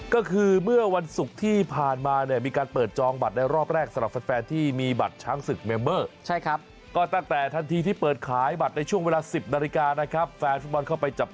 ก็คือเมื่อวันศุกร์ที่ผ่านมาเนี่ยมีการเปิดจองบัตรในรอบแรก